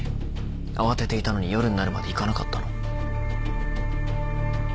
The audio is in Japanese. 慌てていたのに夜になるまで行かなかったの？